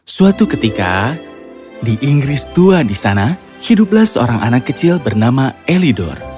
suatu ketika di inggris tua di sana hiduplah seorang anak kecil bernama elidor